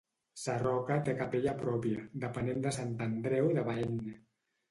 Sarroca té capella pròpia, depenent de Sant Andreu de Baén.